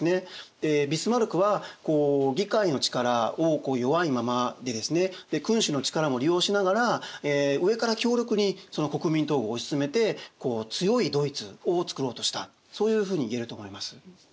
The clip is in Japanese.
ビスマルクは議会の力を弱いままでですねで君主の力も利用しながら上から強力に国民統合を推し進めて強いドイツを作ろうとしたそういうふうに言えると思います。